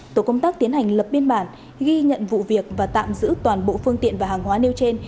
tổ công tác tiến hành lập biên bản ghi nhận vụ việc và tạm giữ toàn bộ phương tiện và hàng hóa nêu trên